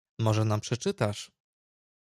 "Może nam przeczytasz?"